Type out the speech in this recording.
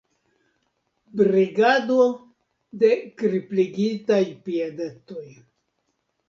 Brigado de kripligitaj piedetoj.